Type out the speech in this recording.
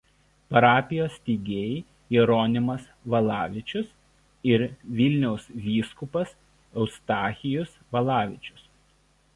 Parapijos steigėjai Jeronimas Valavičius ir Vilniaus vyskupas Eustachijus Valavičius.